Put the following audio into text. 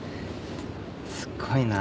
すごいな。